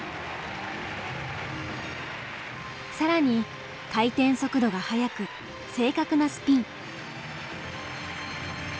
更に回転速度が速く正確なスピン。